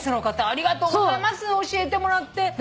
ありがとうございます教えてもらって。